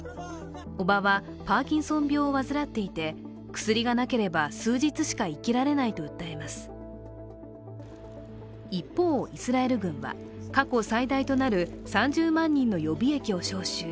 おばはパーキンソン病を患っていて薬がなければ数日しか生きられないと訴えます一方、イスラエル軍は過去最大となる３０万人の予備役を招集。